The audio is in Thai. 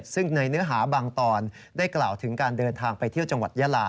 ซึ่งในเนื้อหาบางตอนได้กล่าวถึงการเดินทางไปเที่ยวจังหวัดยาลา